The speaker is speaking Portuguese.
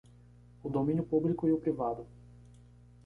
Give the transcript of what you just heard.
O domínio público e o privado.